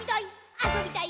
あそびたい！